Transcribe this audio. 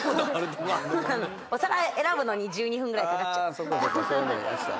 お皿選ぶのに１２分ぐらいかかっちゃった。